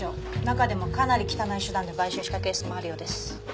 中でもかなり汚い手段で買収したケースもあるようです。